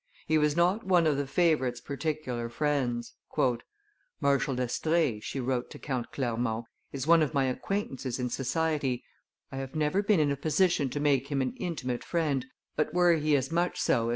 He was not one of the favorite's particular friends. a Marshal d'Estrees," she wrote to Count Clermont, "is one of my acquaintances in society; I have never been in a position to make him an intimate friend, but were he as much so as M.